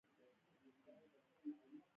په پوځي ادارو کې نژادي توپېرونه پالي.